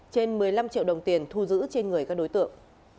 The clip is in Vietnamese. trên một mươi năm triệu đồng tiền thu giữ trên người các đối tượng